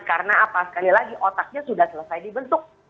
karena sekali lagi otaknya sudah selesai dibentuk